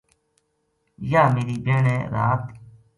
یاہ میری بہن ہے رات ا